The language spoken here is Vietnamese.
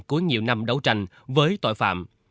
cuối nhiều năm đấu tranh với tội phạm